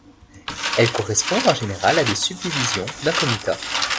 Elles correspondent en général à des subdivisions d'un comitat.